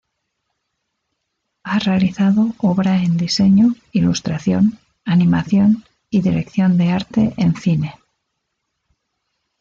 Ha realizado obra en diseño, ilustración, animación y dirección de arte en cine.